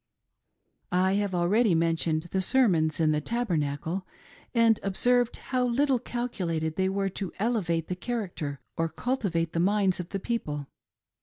I have already mentioned the sermons in the Tabernacle, and observed how little calculated they were to elevate the character or cultivate the minds of the people.